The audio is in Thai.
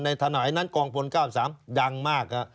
ในฐานะไอ้นั้นกองภล๙๓ดังมากนะฮะ